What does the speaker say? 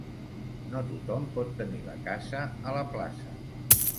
No tothom pot tenir la casa a la plaça.